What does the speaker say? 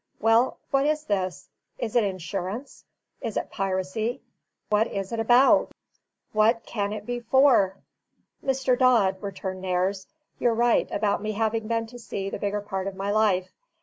Well, what is this? is it insurance? is it piracy? what is it ABOUT? what can it be for?" "Mr. Dodd," returned Nares, "you're right about me having been to sea the bigger part of my life.